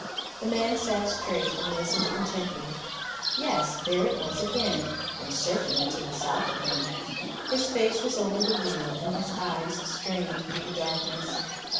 The man sat straight and listened intently. Yes, there it was again, and certainly to the south of him. His face was over the wheel and his eyes strained through the darkness.